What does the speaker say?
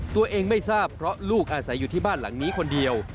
ตัวเองไม่ทราบเพราะลูกอาศัยอยู่ที่บ้านหลังนี้คนเดียว